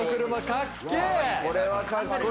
かっけぇ！